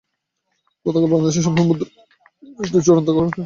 গতকাল বাংলাদেশ সময় মধ্যরাতে প্যারিস চুক্তির চূড়ান্ত খসড়া প্রকাশ হওয়ার কথা রয়েছে।